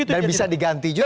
dan bisa diganti juga